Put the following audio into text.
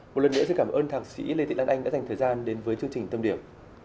một lần nữa xin cảm ơn thạc sĩ lê thị lan anh đã dành thời gian đến với chương trình tâm điểm